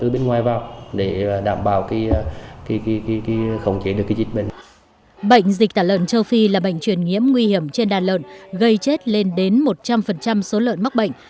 bệnh dịch tả lợn châu phi là bệnh truyền nhiễm nguy hiểm trên đàn lợn gây chết lên đến một trăm linh số lợn mắc bệnh